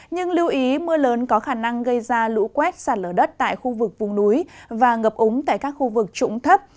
nhưng lưu ý mưa lớn có khả năng gây ra lũ quét sạt lở đất tại khu vực vùng núi và ngập úng tại các khu vực trũng thấp